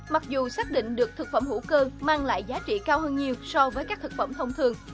mặc dù xác định được thực phẩm hữu cơ mang lại giá trị cao hơn nhiều so với các thực phẩm thông thường